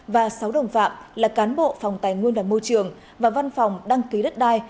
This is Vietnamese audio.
và sáu đồng phạm là cán bộ phòng tài nguyên và môi trường và văn phòng đăng ký đất đai